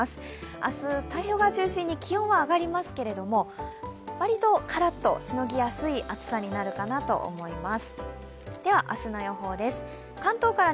明日、太平洋側中心に気温は上がりますけれども割とからっとしのぎやすい暑さになるかなと思います。